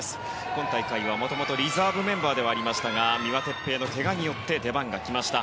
今大会はもともとリザーブメンバーでしたが三輪哲平のけがによって出番がきました。